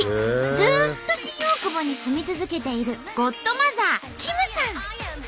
ずっと新大久保に住み続けているゴッドマザー